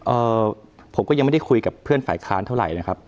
เอ่อผมก็ยังไม่ได้คุยกับเพื่อนฝ่ายค้านเท่าไหร่นะครับ